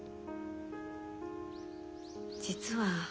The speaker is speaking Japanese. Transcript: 実は。